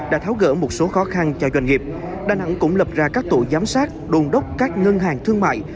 đã tháo gỡ một số khó khăn cho doanh nghiệp đà nẵng cũng lập ra các tổ giám sát đồn đốc các ngân hàng thương mại